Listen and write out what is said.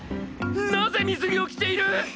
なぜ水着を着ている！？